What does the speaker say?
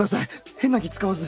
変な気使わず。